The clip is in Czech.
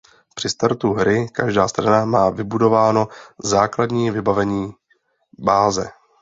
Při startu hry každá strana má vybudováno základní vybavení báze.